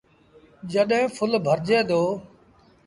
جڏيݩ ڦل ڀرجي دو۔